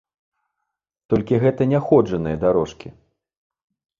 Толькі гэта няходжаныя дарожкі.